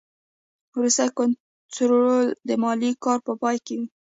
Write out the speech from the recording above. وروستی کنټرول د مالي کال په پای کې وي.